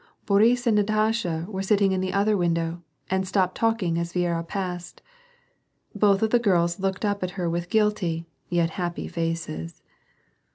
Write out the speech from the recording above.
Boris and Natasha were sitting in the other window, and stopped talking as Viera passed. Both of the girls looked up at her with guilty and yet happy faces.